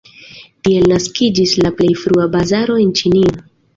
Tiel naskiĝis la plej frua bazaro en Ĉinio.